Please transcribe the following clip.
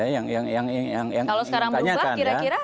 kalau sekarang berubah kira kira